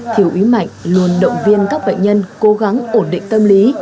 thiếu ý mạnh luôn động viên các bệnh nhân cố gắng ổn định tâm lý